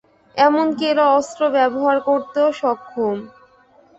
এমনকি এরা অস্ত্র ব্যবহার করতেও সক্ষম।